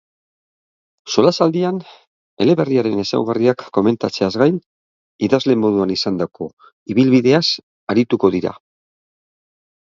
Solasaldian, eleberriaren ezaugarriak komentatzeaz gain, idazle moduan izandako ibilbideaz arituko dira.